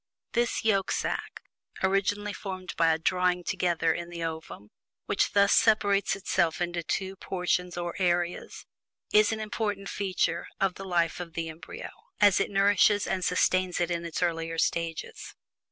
This yolk sack (originally formed by a "drawing together" in the ovum, which thus separates itself into two portions or areas) is an important feature of the life of the embryo, as it nourishes and sustains it in its earlier stages.